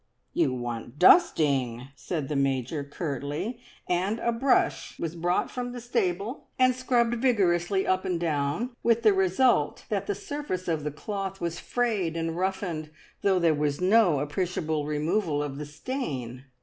"You want dusting!" said the Major curtly, and a brush was brought from the stable, and scrubbed vigorously up and down, with the result that the surface of the cloth was frayed and roughened, though there was no appreciable removal of the stain.